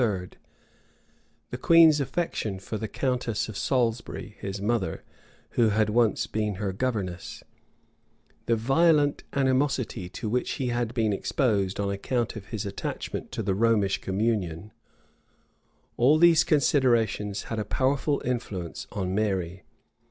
[v*] the queen's affection for the countess of Salisbury, his mother, who had once been her governess; the violent animosity to which he had been exposed on account of his attachment to the Romish communion; all these considerations had a powerful influence on Mary.